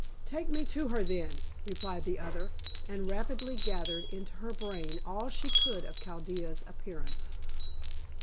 "Take me to her then," replied the other, and rapidly gathered into her brain all she could of Chaldea's appearance.